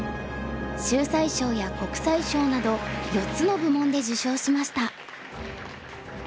秀哉賞や国際賞など４つの部門で受賞しました。